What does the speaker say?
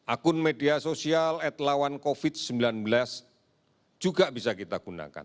akun media sosial at lawan covid sembilan belas juga bisa kita gunakan